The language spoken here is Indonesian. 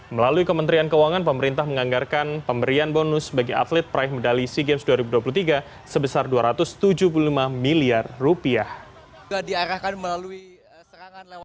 melalui kementerian keuangan pemerintah menganggarkan pemberian bonus bagi atlet peraih medali sea games dua ribu dua puluh tiga sebesar dua ratus tujuh puluh lima miliar rupiah